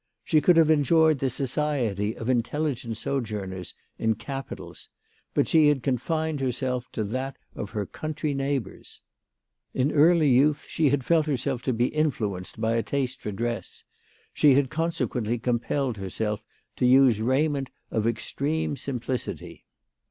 She could have enjoyed the society of intelligent sojourners in capitals; but she had con fined herself to that of her country neighbours. In early youth she had felt jierself to be influenced by a taste for dress ; she had consequently compelled herself 106 THE LADY OF LATJNAY. to use raiment of extreme simplicity.